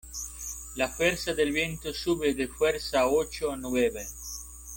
la fuerza del viento sube de fuerza ocho a nueve